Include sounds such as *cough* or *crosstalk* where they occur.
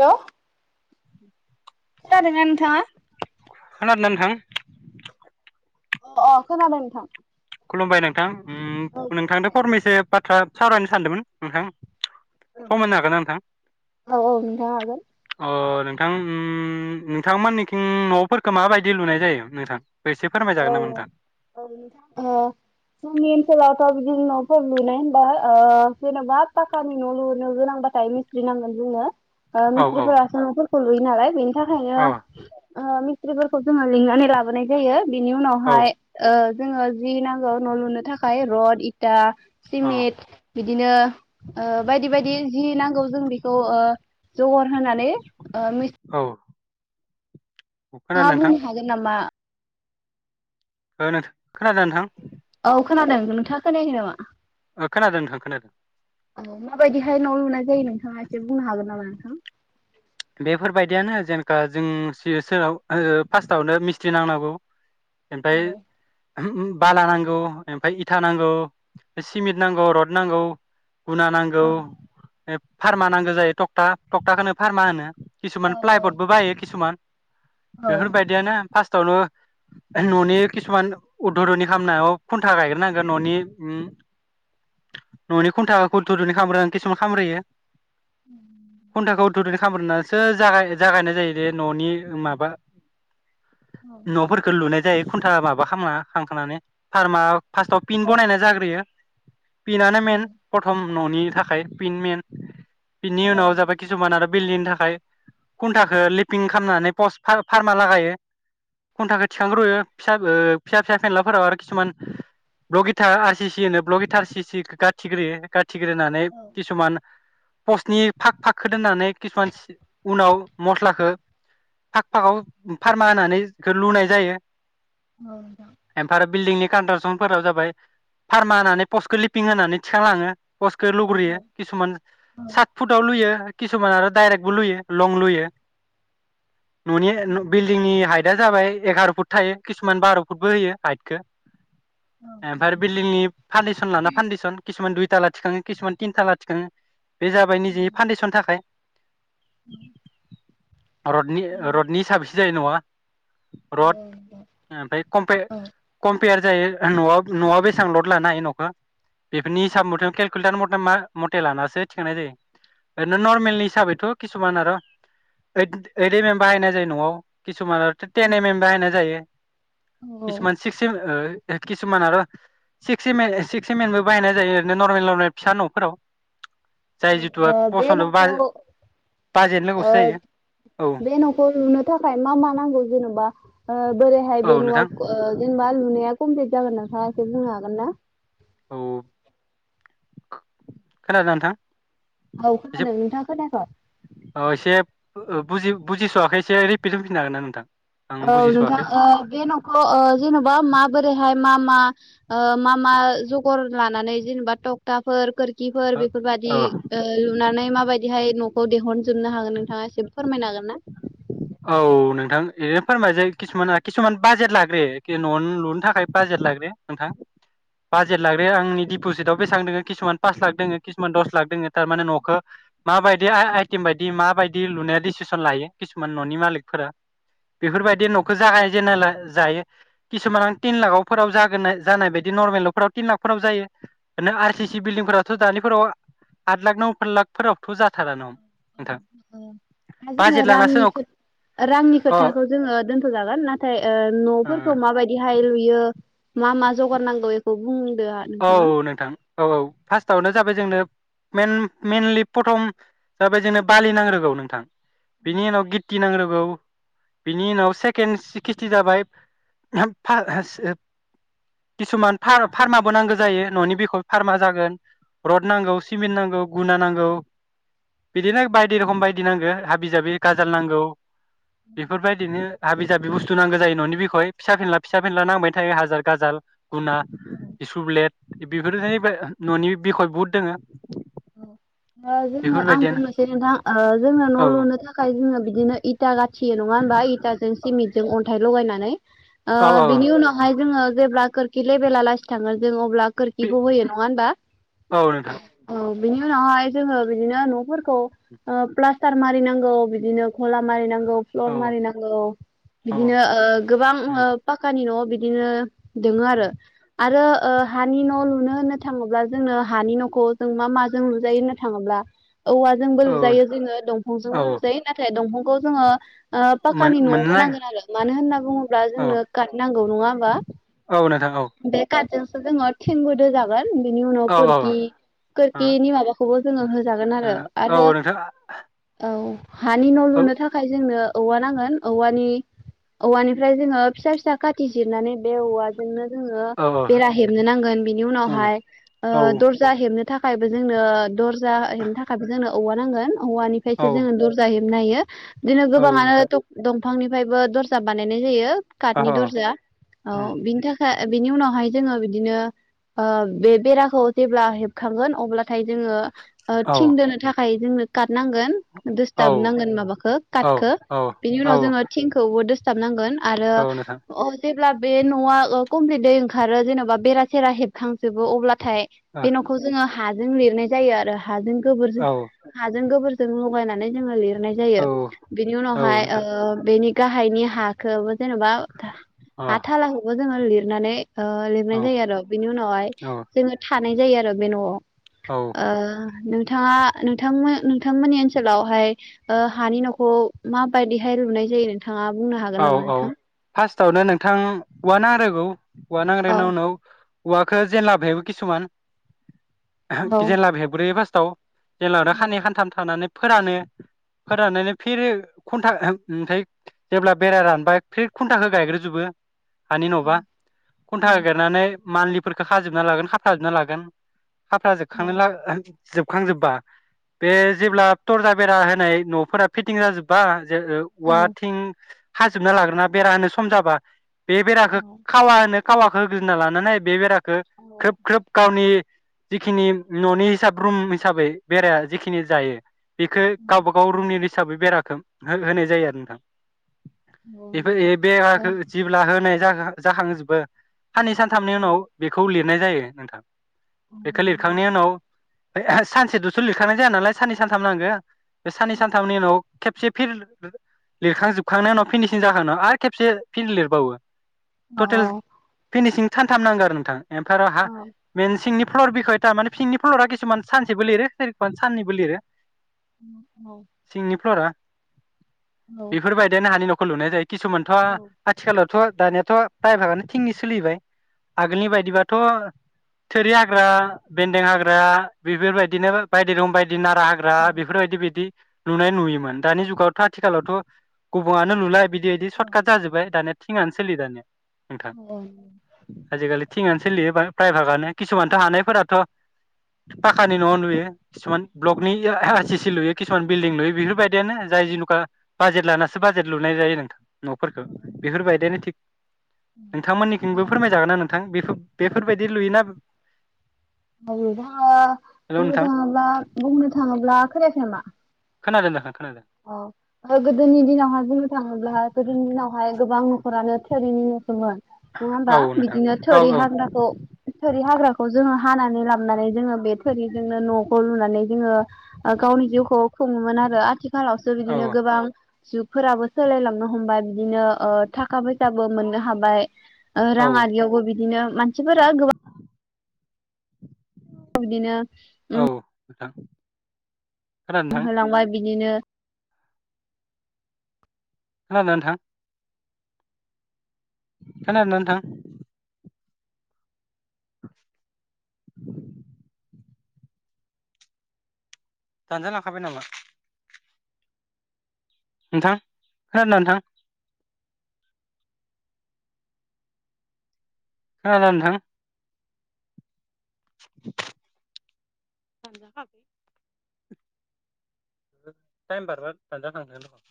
हेल' खोनादोंना नोंथांङा? खोनादोना नोंथां? अ अ खोनादों नोंथां । खुलुमबाय नोंथां । उम्म नोंथांदो फरमेसेब बाथ्रा सावरायनो सानदोंमोन नोंथां । सम होनो हागोन ना नोंथां? औ औ नोंथाङा हागोन अ नोंथां उम्म नोंथांमोननिखिं न'फोरखो माबायदि लुनाय जायो नोंथां? एसे औ फोरमायजागोन नामा नोंथां? औ नोंथां ओ जोंनि ओनसोलावथ' बिदिनो न'फोर लुनाय होनबा ओ जेन'बा पाखानि न' लुनो गोनांबाथाय मिस्थ्रि नांगोन जोंनो । ओ औ औ मिसथ्रिफोरासो न'फोरखौ लुयोनालाय बेनि थाखायनो औ ओ मिस्थ्रिफोरखौ जोंङो लिंनानै लाबोनाय जायो । बिनि औ उनावहाय ओ जोंङो जि नांगौ न' लुनो थाखाय रड इथा औ सिमिट बिदिनो ओ बायदि बायदि जि नांगौ जों बेखौ ओ जगर होनानै ओ मिस औ खोनादों नोंथांआ नोंथां बुंनो हागोन नामा? ओ नो खोनादोना नोंथां? औ खोनादों नोंथांङा खोनायाखै नामा? ओ खोनादो नोंथां खोनादों । औ माबायदि हाय न' लुनाय जायो नोंथांङा एसे बुंनो हागोन नामा? हो बेफोरबायदियानो जेनेका जों सि सोराव ओ फास्तावनो मिस्ट्रि नांनांगौ। ओमफ्राय औ होम बाला नांगौ ओमफाय इथा नांगौ, सिमित नांगौ, रड नांगौ, गुना औ नांगौ, ओ फार्मा नांगौ जायो टकटा टक्टाखौनो फार्मा होनो। औ किसुमान प्लायबदबो बाहायो किसुमान औ बेफोर बायदियानो फास्तावनो न'नि किसुमान उद्धधनि खामनायाव खुन्था गायग्रोनांगोन न'नि ओम न'नि खुन्था खुथुरनि खाम्रोन किसुमान खामरोयो खुन्थाखौ दुदुं खामरोनो सो जागाय जागायनाय जायो दे न'नि माबा न'फोरखौ लुनाय जायो। खुन्था माबा खामना खांथानानै फार्मा फास्तआव पिन औ बनायनाय जाग्रोयो। पिनानो मेन प्रथम न'नि थाखाय पिन मेन बिनि उनाव जाबाय किसुमान आरो बिल्डिंनि थाखाय खुन्टाखौ लिपिं खालामनानै पस फा फार्मा लागायो खुन्थाखौ थिखांग्रुयो फिसा ओ फिसा फिसा फेनलाफोराव आरो किसुमान ब्लग इथा आर सि सि नो ब्लग इथा आर सि सि गाथिग्रोयो गा थिग्रोनानै किसुमान पसनि फाक फागखौ दोननानै किसुमान सि उनाव मस्लाखौ फाख फाखाव फारमा होनानै लुनाय जायो । औ नोंथां बिल्दिंनि कनत्राकसन फोरा जाबाय फार्मा होनानै पस्टखौ लिफपिं होनानै थिखांलाङो। पसखौ लुग्रोयो किसुमान सात फुटाव लुयो किसुमान आरो दाइरेकबो लुयो । लं लुयो। न'नि बिल्डिंनि हाइटआ जाबाय एगार' फुट थायो किसुमान बार' फुटबो होयो हाइटखौ ओमफ्राय बिल्डिंनि फान्डेसन लाना फान्डेसन किसुमान दुइ थाला थिखाङो खिसुमान तिनथाला थिखाङो। बे जाबाय निजे औ फाउडेसन थाखाय औ रडनि औ रडनि सारभिस जायो नवा औ रड ओमफ्राय खमफे औ खम पेयार जायो न'आव न'आव बेसेबां लद लानो न'खौ बेफोरनि हिसाब मथे केुेलखु मद मा मथे लानासो थिखांनाय जायो ओरैनो नर्मेलनि हिासाबैथ' खि किसुमान आरो औड औड एम एम बाहायनाय जायो न'आव खि सुमार' टेन एम एमबाहायनाय जायो ओ खिसिमान स्खिसिम ओ किसुमान आरो six six M six M एनबो बाहायनाय जायो ओरैनो नरमेल नरमेल फिसा न'फोराव जाय जिथु बे फसन्द न'खौ बाय ओ बे न'खौ लुनो थाखाय मा मा नांगौ जोंनो? बा ओ बोरैहाय बे औ नोंथां न'आव ओ जेनेबा लुनाया कमप्लिट जागोन नोंथाङा एसे बुंनो हागोन ना औ खनादों नोंथां औ खोनादों नोंथाङा खोनायाखै ओ एसेब ओ बुजि बुजिस'वाखै एसे रिपिट होफिननो हागोन ना नोंथां आं औ नोंथां बुजिस'वाखै ओ बे ओ न'खौ जेन'बा माबोरैहाय मा मा ओ मा मा जगर लानानै जेनेबा तकताफोर खिरखि फिफोर ओ बेफोरबाददि औ ओ लुनानै माबायदिहाय न *unintelligible* जोबनो हागोन नोंथाङा एसे फोरमायनो हागोन ना औ नोंथां ओरैनो फोरमाय जै किसुमान किसुमान बाजेट लाग्रो न' लुनो थाखाय बाजेट लाग्रो नोंथां बाजार लाग्रो आंनि दिडिपजिटआव बेसेबां दङो खिसुमान पास लाख दोङो किसुमान दस लाख दोङो थारमाने न'खौ माबायदि आइटेम बायदि माबायदि लुनाया डिसिसन लायो किसुमान खिसुमान न'नि मालिकफोरा बेफोरबायदि न'खौ जागाय जेनाला जायो किसुमान आं थिन लाखावफोराव जागोन जानाय बायदि नर्मेल न' फोराव तिन लाखफोराव जायो एरनो आर सि सि बिल्डिं फोरावथ' दानिफोराव आद लाख न' लाखफोरावथ' जाथारा न ओं दा जोङो रांनि लानासो रांनि अ खोथाखौ जोङो दोनथ'जागोन नाथाय ओ न'फोरखौ माबायदिहाय लुयो मा मा जगार नांगौ बेखौ बुं औ नोंथां औ औ फार्स्टआवनो जाबाय जोंनो मेन-मेनलि प्रथम जाबाय जोंनो बालि नांग्रोगौ नोंथां। बिनि उनाव गिथि गौ बिनि उनाव सेकेन सि खिथि जाबाय फार *unintelligible* किसुमान फार-फारमा गो नांगौ जायो न'नि बिखौ फार्मा जागोन रड नांगौ सिमेन्ट नांगौ गुना नांगौ बिदिनो बायदि रोखम बायदि नांगौ हाबि जाबि गाजाल नांगौ। बेफोरबायदिनो हाबि जाबि बुस्थु थु नांगौ जायो न'नि बिखय फिसा फिनला फिसा फिनला नांबाय थायो हाजार गाजाल गुना। औ। सुब्लेट बेफोरनि न'नि बिखय बुहुद दोङो। औ। ओ जोङो आं बेफोरबायदियानो बुंनोसै नोंथां ओ जोङो औ न' लुनो थाखाय जोङो बिदिनो इ था गा थियो नङा होनोमबा इथाजों सिमितजों अन थाइ लगायनानै ओ औ औ बिनि उनावहाय जोङो जेब्ला खोरखि लेभेला लासि थाङो जों अब्ला खोरखिखौ होयो नङा होनबा? औ नोंथां बिनि उनावहाय जोङो बिदिनो न'फोरखौ ओ प्लास्टार मारिनांगौ बिदिनो गला मारिनांगौ। गौ प्लर औ मारिनांगौ औ इदिनो ओ गोबां ओ पाक्कानि न' बिदिनो दोङो आरो आरो ओ हानि न' लुनो होननो थाङोब्ला जोंनो हानि न'खौ जों मा माजों नुजायोनो थाङोब्ला औवाजोंबो लुजायो जोङो औ दंफांजोंबो लुजायो नाथाय दंफां खौ जोङो ओ पाक्कानि मोननो न'आवबो नागिरा नांगोन आरो मानो होनना बुङोब्ला औ जोंनो काट नांगौ नङा होमबा औ नोंथां औ बे काट जोंसो जोङो थिंबो दोजागोन। हम बिनि उनाव औ औ ओ खोर्खि खिनि माबाखो खौबो जोंनो हो जागोन आरो ओ औ आरो नोंथां औ। हानि न औ लुनो थाखाय जोंनो औवा नांगोन औवानि औवानिफ्राय जोङो फिसा फिसा खाथि जिरनानै बे औवाजोंनो जोङो औ बेरा हेबनो नांगोन बिनि उनावहाय उम ओ औ औ दर्जा हेबनो थाखायबो जोंनो दर जा हेबनो थाखायबो जोंनो औवा नांगोन। औवानिफ्रायसो जोङो औ दरजा हेब नायो बिदिनो नोंथां गोबाङानोथ दं बिफांनिफ्रायबो दरजा बानायनाय जायो। औ काटनि दरजा औ उम बिनि थाखा बिनि उनावहाय जोङो बिदिनो ओ बे बेराखौ जेब्ला हेब खांगोन अब्ला नाथाय जोङो ओ औ थिं दोनो थाखाय जोंनो काटनांगोन औ दोसथाब नांगोन माबाखौ काटखौ औ बिनि औ उनाव जोङो थिंखौबो दोस *unintelligible* नांगोन आरो औ नोंथां अ जे ब्ला बे नआ ओ कमप्लिटै ओंखारो जेनबा बेरा सेरा हेबखांजोबो अब्ला थाइ बे नखौ जोङो हाजों लिरनाय जायो आरो हाजों गोबोरजो ओ हाजों गोबोर जों लगायनानै जों लिर नायजायो औ बे औ उनावहाय ओ नोंथां बेनि गाहायनि हाखौबो जेनबा अ औ हाथालाखौबो जोंङो लिरनानै ओ लिरनाय जायो आरो बिनि उनावहाय औ जोङो थानाय जायो आरो बे न'आव। औ ओ नोंथाङा नोंथांमो नोंथांमोननि ओनसोलावहाय ओ हानि न'खौ माबायदिहाय लुनाय जायो नोंथा औ औ फार्स्टआवनो नोंथां *unintelligible* आरो औ औआ नांग्रे औ नाव नाव औवाखो जेनलाबो हेबो किसुमान औ जेनलाबो हेबग्रोयो फास औ जेलादा नङा खाननैै खानथाम थानानै फोरानो फोराननानै फिर खन्था *unintelligible* ओमफ्राय जेब्ला बेराया रानबाय फ्रि खुनथाखो गायग्रोजोबो हानि नबा खुन्था गायगारनानै मान्लिफोरखौ खाजोबना लागोन खाफ्राजोबना लागोन खाफ्रा जोबखांना *unintelligible* जोबखांजोब्बा बे जेब्ला तरजा बेरा होनाय नफोरा फिटिं जाजोब्बा *unintelligible* वाथिं खाजोबना लाग्रोना बेरा होनो सम जाबा बे बेराखो खावा होनो खावाखो होग्रोना लानानै बे बेरा गो घ्रोब घ्रोब गावनि जिखिनि ननि हिसाब रुम हिसाबै बेराया जिखिनि जायो बेखो गावबा गाव रुमनि लि हिसाबै बेराखो हो होनाय जायो आरो नोंथां बेफोर ए बेराखो जिब्ला होनाय *unintelligible* जाहां जोबो साननै सानथामनि उनाव बेखौ लिर नाय जायो नोंथां बेखौ लिरखांनि उनाव *unintelligible* सानसे दुस लिरखानाय जाया नालाय साननै सानथाम नांगो बे साननै सानथामनि उनाव खेबसे फिर लिरखांजोब होबखांनाय उनाव फिनिसिं जाखांना आरो खेबसे फिन लिरबावो टटेल फिनिसिं सानथाम नांगो आरो नोंथां एमफाय आरो हा मिनसिंनि फ्लर बिखय थामाने सिंनि फलरा किसुमान सानसेबो लिरो फेरिखन साननैबो लिरो *unintelligible* औ बेफोरबायदिनो हानि न'खौ लुनाय जायो । किसुमानथ' हा आथिखालाव थ' दानियाथ' प्राय फागानो थिंनि सोलिबाय । आगोलनि बायदिबाथ' थोरि हाग्रा, बेन्दों हाग्रा बेफोरबायदिनो बायदि रं बायदि दि नारा हाग्रा बेफोरबायदि बिदि नुनाय, नुयोमोन दानि जुगावथ' आथिखालावथ' गुबुङानो लुला बि दि इदि सर्ट काट जाजोबबाय दानिया थिंआनो सोलियो दानिआ । नोंथां । आजिखालि थिंआनो सोलियो । प्रायफागानो किसुमानथ' हानायफोराथ' पाखानि न'आव नुयो किसुमान ब्लकनि इओ लुयो किसुमान बिलदिं लुयो । बेफोर बायदियानो जाय जुनुखा बाजेट लाना सो बाजेट लुनाय जायो नोंथां न'फोरखौ । बेफोरबायदिनो थिग नोंथांमोननिखोनबो फोरमायजागोना नोंथां? बेफोर बेफोरबायदि लुयोना बुंनो थाङोब्ला हेल' बुंनो नोंथां थाङोब्ला बुंनो थाङोब्ला खोनायाखै नामा? खोनादों नोंथां खोनादों औ गोदोनि दिनावहाय बुंनो थाङोब्ला गोदोनि दिनावहाय गोबां न'खरानो थोरिनि न'सिम । नङा औ होमबा? नोंथां बिदिनो औ थोरि हाग्राखौ थोरि हाग्राखौ अ जोंहा हानानै लाबोनै जोङो बे थोरिजोंनो न'खौ लुनानै जोङो आं ओ गावनि जिउखौ खुङोमोन आरो आथि खालावसो औ बिदिनो गोबां जुग फोराबो सोलायलांनो हमबाय बिदिनो ओ थाखा फैसाबो मोननो हाबाय । ओ औ राङारियावबो बिदिनो मानसिफोरा गोबां बिदिनो ओम थां होलांबाय बिदिनो खोनादोंना नोंथां? खोनादों ना नोंथां? दानजा लांखाबाय नामा? नोंथां खोनादों ना नोंथां। खोनादोना नोंथां। दानजा खाबाय। टाइम बारबा दाजाखांगोन।